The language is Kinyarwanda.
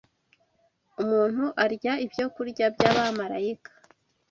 umuntu arya ibyokurya by’abamarayika